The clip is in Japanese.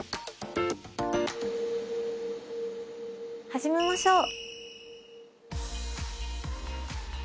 始めましょう。